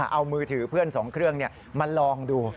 เอามือถือเพื่อน๒เครื่องมาลองดู